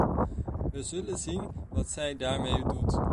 We zullen zien wat zij daarmee doet.